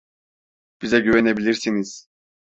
Bize güvenebilirsiniz.